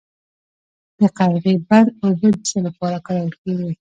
د قرغې بند اوبه د څه لپاره کارول کیږي؟